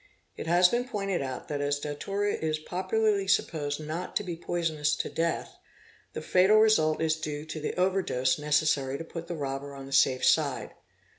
It has been pointed out that as datura is popularly supposed not to be poisonous . to death, the fatal result is due to the over dose necessary to put the robber on the safe side.